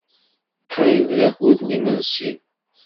Qrib d akud n yimensi.